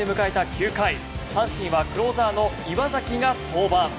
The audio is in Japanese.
９回阪神はクローザーの岩崎が登板。